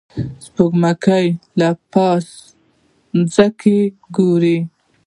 سپوږمکۍ له پاسه ځمکه ګوري